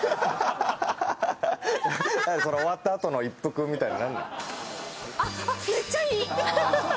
何、その終わったあとの一服みたいなの。